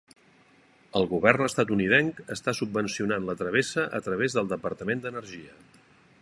El govern estatunidenc està subvencionant la travessa a través del Departament d'Energia.